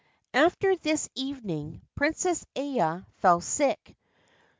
After this evening Princess Aya fell sick.